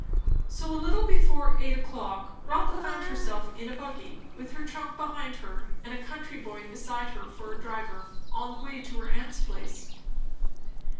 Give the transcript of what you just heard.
So a little before eight o'clock Rotha found herself in a buggy, with her trunk behind her and a country boy beside her for a driver, on the way to her aunt's place.